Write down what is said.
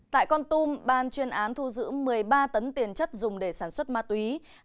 tại con tum ban chuyên án thu giữ một mươi ba tấn tiền chất dùng để sản xuất ma túy